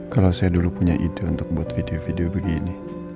kalau saya dulu punya ide untuk membuat video video begini